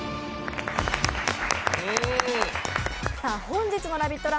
本日のラヴィット！